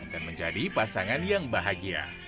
dan menjadi pasangan yang bahagia